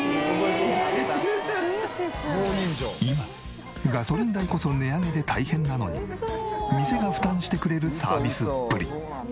今ガソリン代こそ値上げで大変なのに店が負担してくれるサービスっぷり。